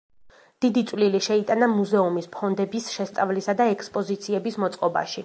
დიდი წვლილი შეიტანა მუზეუმის ფონდების შესწავლისა და ექსპოზიციების მოწყობაში.